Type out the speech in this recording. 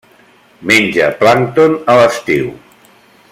Menja plàncton a l'estiu.